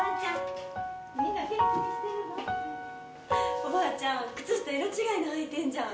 おばあちゃん、靴下色違いの履いてんじゃん！